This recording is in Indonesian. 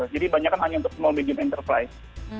jadi banyak kan hanya untuk small medium and triplife